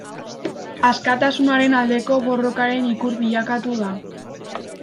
Askatasunaren aldeko borrokaren ikur bilakatu da.